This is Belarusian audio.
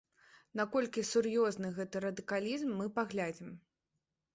Наколькі сур'ёзны гэты радыкалізм, мы паглядзім.